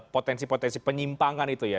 potensi potensi penyimpangan itu ya